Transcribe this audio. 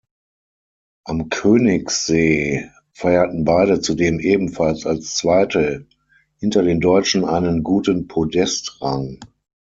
Am Königsee feierten beide zudem ebenfalls als Zweite hinter den Deutschen einen guten Podestrang.